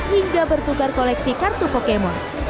hingga bertukar koleksi kartu pokemon